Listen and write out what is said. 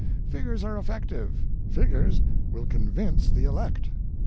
Figures are effective ; figures will convince the elect.